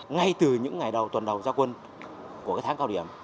ngay từ những ngày đầu tuần đầu gia quân của tháng cao điểm